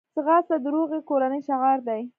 ځغاسته د روغې کورنۍ شعار دی